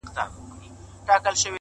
خو ما هچيش له تورو شپو سره يارې کړې ده”